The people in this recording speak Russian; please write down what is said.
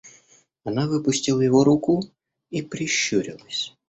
Она выпустила его руку и прищурилась.